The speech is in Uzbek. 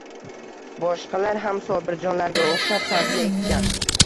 Boshqalar ham Sobirjonlarga oʻxshab sabzi ekkan.